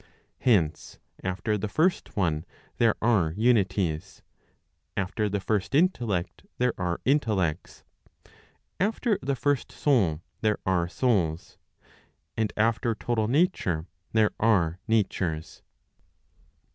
Hence, after the first one there are unities; after the first intellect, there are intellects; after the first soul there are souls ; and after total nature, there are natures.